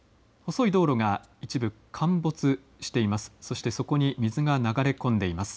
細い道路が一部、陥没しています。